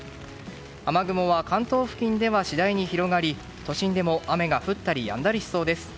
雨雲は関東付近では次第に広がり都心でも雨が降ったりやんだりしそうです。